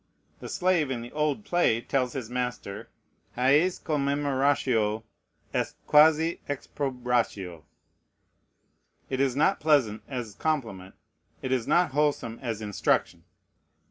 The slave in the old play tells his master, "Hæc commemeratio est quasi exprobratio." It is not pleasant as compliment; it is not wholesome as instruction.